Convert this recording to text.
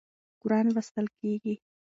قرآن لوستل کېږي.